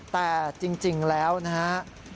แต่จริงแล้วนะฮะ